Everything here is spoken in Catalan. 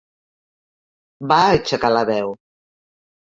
Va aixecar la veu.